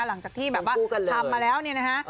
หลังจากที่แบบว่าทำมาแล้วเนี่ยนะฮะ